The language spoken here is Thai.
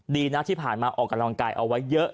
ดีนะที่ผ่านมาออกกำลังกายเอาไว้เยอะ